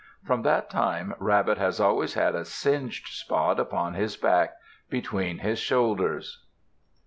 From that time Rabbit has always had a singed spot upon his back, between his shoulders.